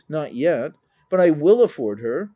Not yet. But I will afford her.